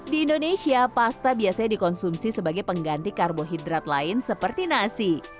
di indonesia pasta biasanya dikonsumsi sebagai pengganti karbohidrat lain seperti nasi